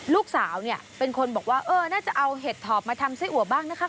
ลูกสาวเนี่ยเป็นคนบอกว่าเออน่าจะเอาเห็ดถอบมาทำไส้อัวบ้างนะคะ